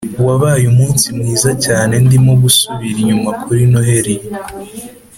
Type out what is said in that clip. wabaye umunsi mwiza cyanendimo gusubira inyuma kuri noheri,